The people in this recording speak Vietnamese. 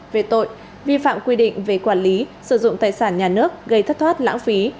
về tội vi phạm quy định về quản lý sử dụng tài sản nhà nước gây thất thoát lãng phí